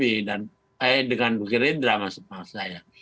eh dengan gerindra maksud saya